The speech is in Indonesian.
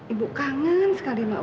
ibu kangen sekali sama uli